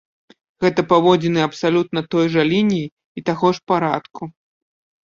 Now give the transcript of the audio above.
Гэта паводзіны абсалютна той жа лініі і таго ж парадку.